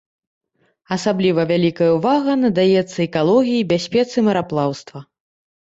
Асабліва вялікая ўвага надаецца экалогіі і бяспецы мараплаўства.